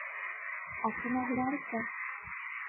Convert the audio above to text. একটা না হলে আরেকটা।